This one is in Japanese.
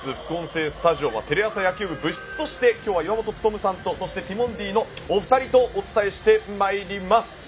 副音声スタジオはテレ朝野球部部室として今日は岩本勉さんとそして、ティモンディのお二人とお伝えしてまいります。